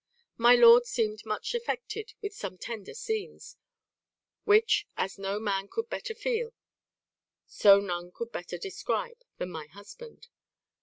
My lord seemed much affected with some tender scenes, which, as no man could better feel, so none could better describe, than my husband.